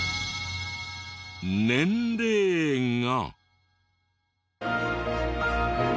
年齢が。